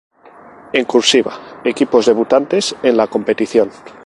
En "cursiva" equipos debutantes en la competición.